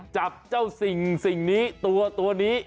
จับเจ้าสิ่งนี้ตัวนี้